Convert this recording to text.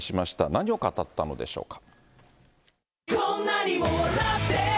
何を語ったのでしょうか。